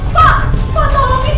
pak pak pak